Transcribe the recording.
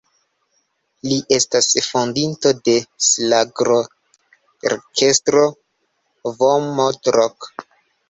Li estas fondinto de ŝlagrorkestro "V'Moto-Rock".